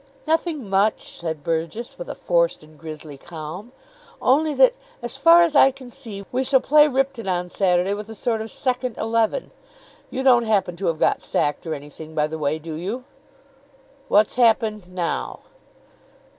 "Nothing much," said Burgess, with a forced and grisly calm. "Only that, as far as I can see, we shall play Ripton on Saturday with a sort of second eleven. You don't happen to have got sacked or anything, by the way, do you?" "What's happened now?"